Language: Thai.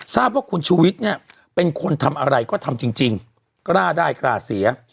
ทราบว่าคุณชูวิทย์เนี่ยเป็นคนทำอะไรก็ทำจริงกล้าได้กล้าเสีย